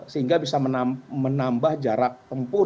sehingga bisa menambah jarak tempuh